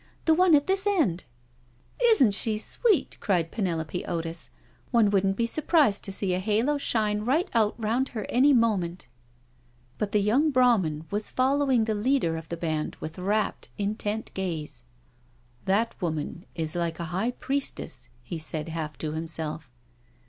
" The one at this end." Isn't she sweet?" cried Penelope Otis; *'one wouldn't be surprised to see a halo shine right out round her any moment." 320 NO SURRENDER But the young Brahmin was following the leader of the band with wrapt, intent gaze : ^'That woman is like a high priestess/' he said, half to himself.